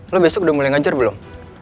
lo besok udah mulai ngajar belum